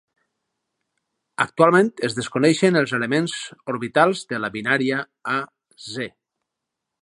Actualment es desconeixen els elements orbitals de la binària A-C.